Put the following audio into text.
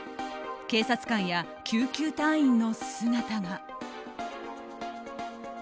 警察官や救急隊員の姿が。